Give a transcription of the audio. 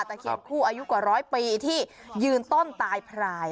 เคียนคู่อายุกว่าร้อยปีที่ยืนต้นตายพราย